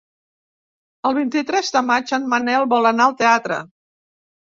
El vint-i-tres de maig en Manel vol anar al teatre.